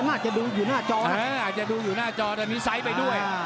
อาจจะดูอยู่หน้าจอนะอาจจะดูอยู่หน้าจอแต่มีไซส์ไปด้วย